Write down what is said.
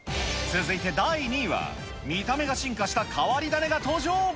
続いて第２位は、見た目が進化した変わり種が登場。